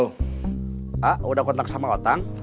pak udah kontak sama otang